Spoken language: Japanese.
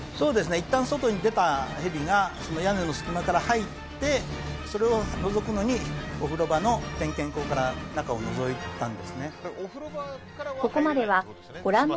いったん外に出たヘビが屋根の隙間から入ってそれをのぞくのにお風呂場の点検口から中をのぞいたんですね。